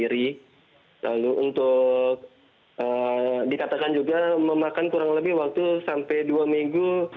lalu untuk dikatakan juga memakan kurang lebih waktu sampai dua minggu